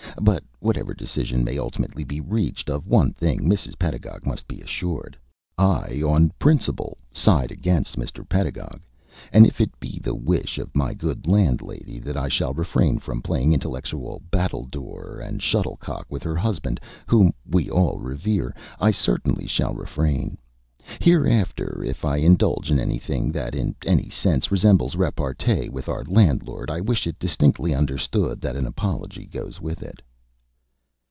But whatever decision may ultimately be reached, of one thing Mrs. Pedagog must be assured. I on principle side against Mr. Pedagog, and if it be the wish of my good landlady that I shall refrain from playing intellectual battledore and shuttlecock with her husband, whom we all revere, I certainly shall refrain. Hereafter if I indulge in anything that in any sense resembles repartee with our landlord, I wish it distinctly understood that an apology goes with it."